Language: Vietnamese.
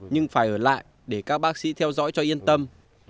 nhưng phải ở lại để các bác sĩ theo dõi cho yên tâm